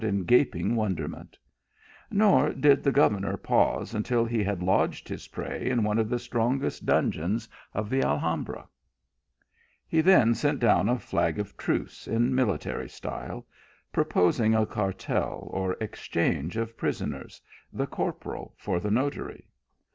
in gaping wonderment, nor did the governor pause until he had lodged his prey in one of the strongest dungeons of the Alhambra. He then sent down a flag of truce in military style, proposing a cartel or exchange of prisoners, the corporal for the notary.